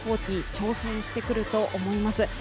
挑戦してくると思います。